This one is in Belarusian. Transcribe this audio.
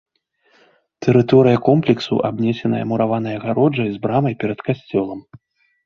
Тэрыторыя комплексу абнесеная мураванай агароджай з брамай перад касцёлам.